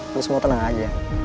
ini semua tenang aja